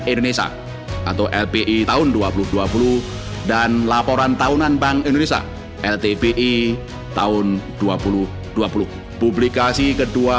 indonesia atau lpi tahun dua ribu dua puluh dan laporan tahunan bank indonesia ltpi tahun dua ribu dua puluh publikasi kedua